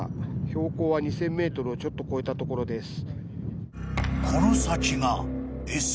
標高は２，０００ｍをちょっと越えたところです。